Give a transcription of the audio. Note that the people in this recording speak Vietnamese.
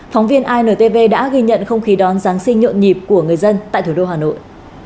phóng viên intv đã ghi nhận không khí đón giáng sinh nhộn nhịp của người dân tại thủ đô hà nội